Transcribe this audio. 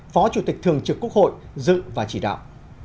phó chủ tịch thường trực quốc hội dự và chỉ đạo